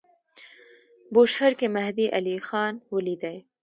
بوشهر کې مهدی علیخان ولیدی.